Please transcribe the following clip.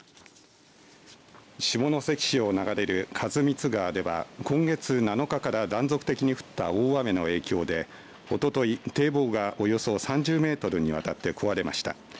下関市を流れる員光川では今月７日から断続的に降った大雨の影響でおととい堤防がおよそ３０メートルにわたって壊れました。